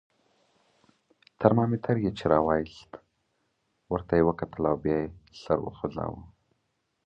ترمامیتر یې چې را وایست، ورته یې وکتل او بیا یې سر وخوځاوه.